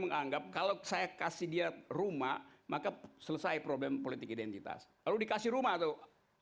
menganggap kalau saya kasih dia rumah maka selesai problem politik identitas lalu dikasih rumah tuh